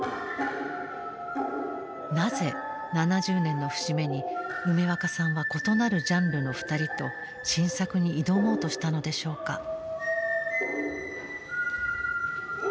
なぜ７０年の節目に梅若さんは異なるジャンルの２人と新作に挑もうとしたのでしょうか？